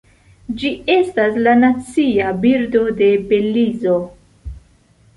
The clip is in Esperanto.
Ĝi estas la nacia birdo de Belizo.